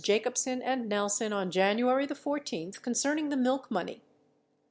Jacobsen and Nel son on January the 14th concerning the milk money.